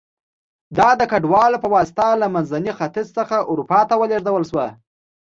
دا د کډوالو په واسطه له منځني ختیځ څخه اروپا ته ولېږدول شوه